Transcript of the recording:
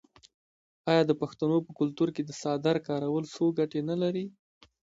آیا د پښتنو په کلتور کې د څادر کارول څو ګټې نلري؟